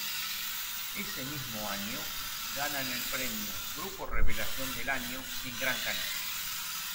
Ese mismo año ganan el premio "Grupo Revelación del Año" en Gran Canaria.